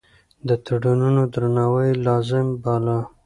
د تړونونو درناوی يې لازم باله.